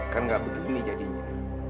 kan gak begitu ini jadinya